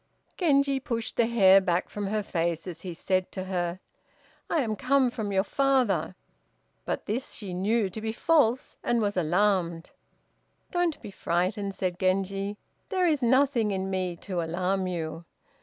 Genji pushed the hair back from her face, as he said to her, "I am come from your father;" but this she knew to be false, and was alarmed. "Don't be frightened," said Genji; "there is nothing in me to alarm you."